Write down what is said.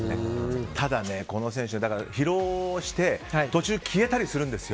ただ、この選手、疲労して途中、消えたりするんですよ。